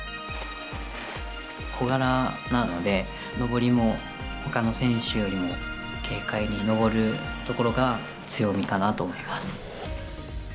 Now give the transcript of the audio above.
小柄なので、上りもほかの選手よりも軽快に上るところが強みかなと思います。